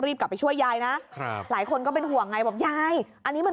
กลับไปช่วยยายนะครับหลายคนก็เป็นห่วงไงบอกยายอันนี้มัน